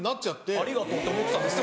ありがとうって思ってたんですって